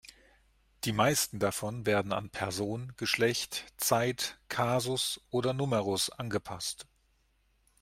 Die meisten davon werden an Person, Geschlecht, Zeit, Kasus oder Numerus angepasst.